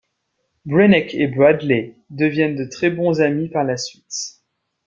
Brenneck et Bradley deviennent de très bon amis par la suite.